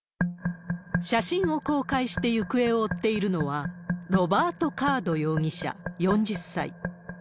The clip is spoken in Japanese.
写真を公開して行方を追っているのは、ロバート・カード容疑者４０歳。